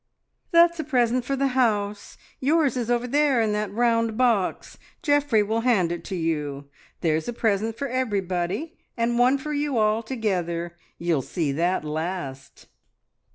"That's a present for the house; yours is over there in that round box; Geoffrey will hand it to you. There's a present for everybody, and one for you all together. You'll see that last!"